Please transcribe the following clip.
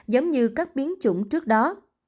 giống như các biến chủng trước đó